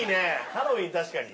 ハロウィン確かに。